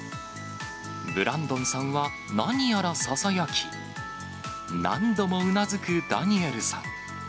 ブランドンさんは何やらささやき、何度もうなずくダニエルさん。